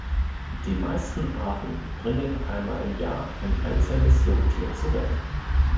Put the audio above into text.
Die meisten Arten bringen einmal im Jahr ein einzelnes Jungtier zur Welt.